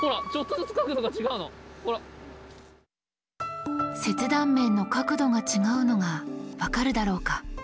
切断面の角度が違うのが分かるだろうか。